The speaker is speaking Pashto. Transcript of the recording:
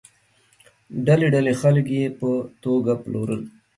ډلې ډلې خلک یې په توګه پلورل.